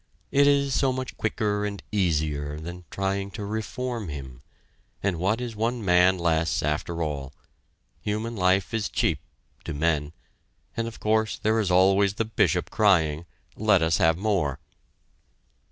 It is so much quicker and easier than trying to reform him, and what is one man less after all? Human life is cheap to men and of course there is always the Bishop crying: "Let us have more."